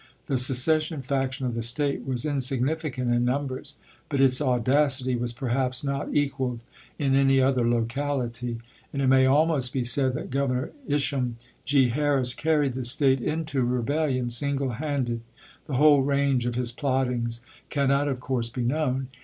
The se cession faction of the State was insignificant in 250 ABKAHAM LINCOLN CHAP. XIII. numbers, but its audacity was perhaps not equaled in any other locahty; and it may almost be said that Governor Isham Gr. Harris carried the State into rebellion single handed. The whole range of his plottings cannot, of course, be known.